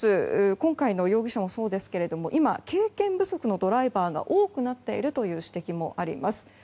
今回の容疑者もそうですけれども今、経験不足のドライバーが多くなっているという指摘もあります。